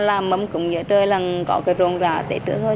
chỉ có là mình lo mà làm mầm cúng giữa trời là có cái ruộng ra tết được thôi